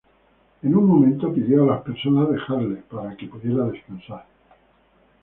En un momento pidió a las personas dejarla, para que pudiera descansar.